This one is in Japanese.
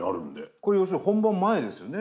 これ要するに本番前ですよね。